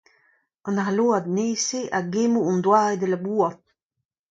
An arload nevez-se a gemmo hon doare da labourat.